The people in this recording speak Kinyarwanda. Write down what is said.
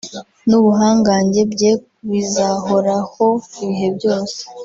n’ubuhangange bye bizahoraho ibihe byose